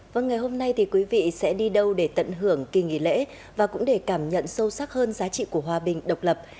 vâng ngày hôm nay thì quý vị sẽ đi đâu để tận hưởng kỳ nghỉ lễ và cũng để cảm nhận sâu sắc hơn giá trị của hòa bình độc lập